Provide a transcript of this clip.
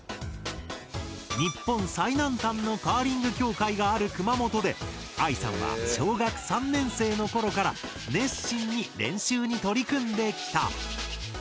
日本最南端のカーリング協会がある熊本であいさんは小学３年生のころから熱心に練習に取り組んできた。